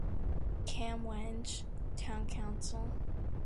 Kamwenge Town Council.